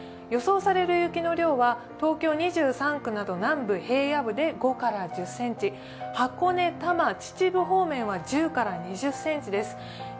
予想される雪の量は東京２３区など南部平野部で５１０ｃｍ、箱根、多摩、秩父方面は１０から２０センチです。